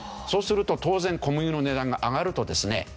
そうすると当然小麦の値段が上がるとですね